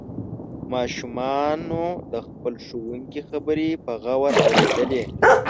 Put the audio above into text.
ماشومانو د خپل ښوونکي خبرې په غور اوریدلې.